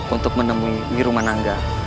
untuk menemui wirumanangga